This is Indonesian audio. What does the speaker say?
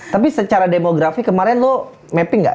tapi secara demografi kemarin lo mapping nggak